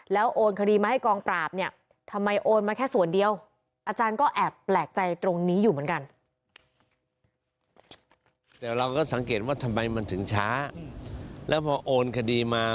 แล้วโอนคดีมาให้กองปราบเนี่ย